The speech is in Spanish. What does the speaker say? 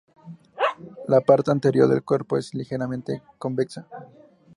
La parte anterior del cuerpo es ligeramente convexa.